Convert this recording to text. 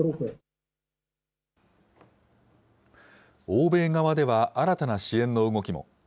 欧米側では新たな支援の動きも。